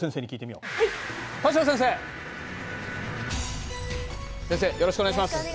よろしくお願いします。